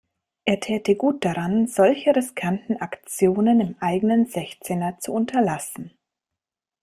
Er täte gut daran, solche riskanten Aktionen im eigenen Sechzehner zu unterlassen.